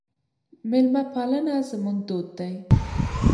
میلمه پالنه زموږ دود دی.